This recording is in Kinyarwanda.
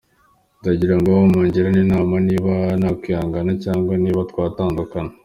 Ndagirango mungire Inama niba nakwihangana cyangwa niba twatandukana.